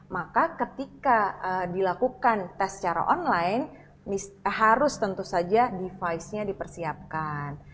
maka ketika dilakukan tes secara online harus tentu saja device nya dipersiapkan